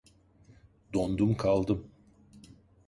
Dondum kaldım.